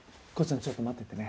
ちょっと待っててね。